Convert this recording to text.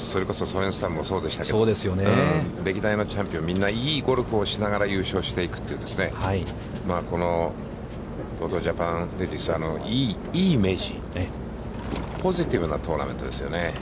やっぱりそういう勝ち方が、それこそですけど歴代のチャンピオンはみんないいゴルフをしながら、優勝していくという、このＴＯＴＯジャパンレディース、いいイメージ、ポジティブなトーナメントですよね。